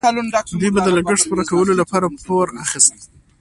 دوی به د لګښت پوره کولو لپاره پور اخیست.